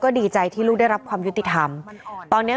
ก็เป็นสถานที่ตั้งมาเพลงกุศลศพให้กับน้องหยอดนะคะ